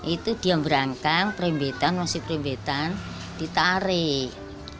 itu dia berangkang perimbitan masih perimbitan ditarik